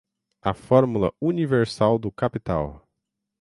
A fórmula universal do capital